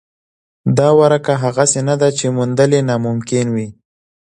دا ورکه هغسې نه ده چې موندل یې ناممکن وي.